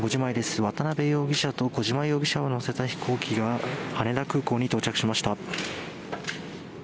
渡邉容疑者と小島容疑者を乗せた飛行機が羽田空港に到着しました。